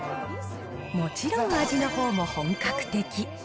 もちろん味のほうも本格的。